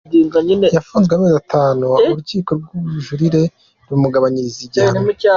Yafunzwe amezi atanu, urukiko rw’ubujurire rumugabanyiriza igihano.